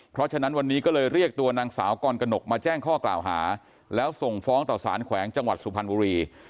เพราะฉะนั้นวันนี้ก็เลยเรียกตัวนางสาวกรกนกมาแจ้งข้อกล่าวหาแล้วส่งฟ้องต่อสารแขวงจังหวัดสุพรรณบุรี